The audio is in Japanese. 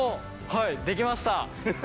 はいできました。